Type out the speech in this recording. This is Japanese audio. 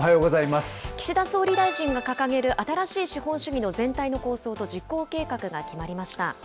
岸田総理大臣が掲げる新しい資本主義の全体の構想と実行計画が決まりました。